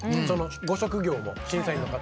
ご職業も、審査員の方。